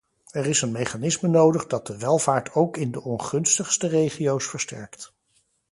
Er is een mechanisme nodig dat de welvaart ook in de ongunstigste regio's versterkt.